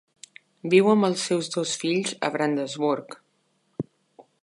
Viu amb els seus dos fills a Brandenburg.